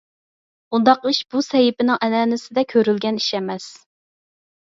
ئۇنداق ئىش بۇ سەھىپىنىڭ ئەنئەنىسىدە كۆرۈلگەن ئىش ئەمەس.